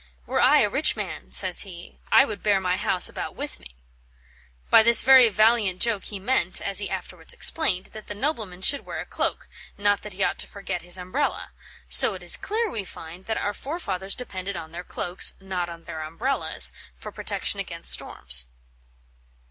"Were I a rich man," says he, "I would bear my house about with me." By this very valiant joke he meant, as he afterwards explained, that the nobleman should wear a cloak, not that he ought not to forget his Umbrella So it is clear, we find, that our forefathers depended on their cloaks, not on their Umbrellas, for protection against storms.